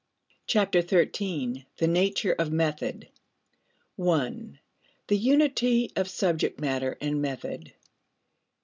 Chapter Thirteen: The Nature of Method 1. The Unity of Subject Matter and Method.